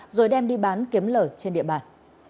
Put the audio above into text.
rồi đem đi bán kiếm lời trên địa bàn